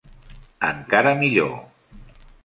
Encara millor.